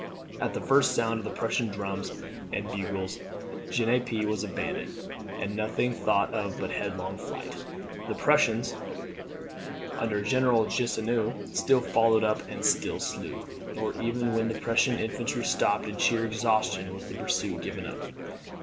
At the first sound of the Prussian drums and bugles, Genappe was abandoned, and nothing thought of but headlong flight. The Prussians, under General Gneisenau, still followed and still slew; nor even when the Prussian infantry stopped in sheer exhaustion, was the pursuit given up.